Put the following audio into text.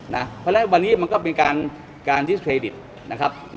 เพราะฉะนั้นวันนี้มันก็เป็นการดิสเครดิตนะครับ